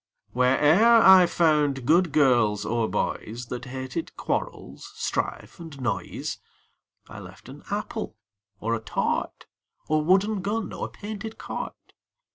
Where e'er I found good girls or boys, That hated quarrels, strife and noise, I left an apple, or a tart, Or wooden gun, or painted cart.